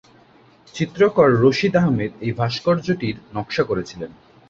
চিত্রকর রশিদ আহমেদ এই ভাস্কর্যটির নকশা করেছিলেন।